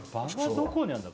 どこにあるんだ？